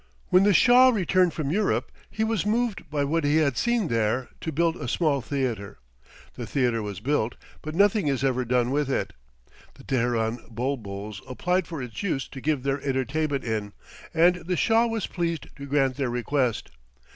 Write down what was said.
When the Shah returned from Europe, he was moved by what he had seen there to build a small theatre; the theatre was built, but nothing is ever done with it. The Teheran Bulbuls applied for its use to give their entertainment in, and the Shah was pleased to grant their request.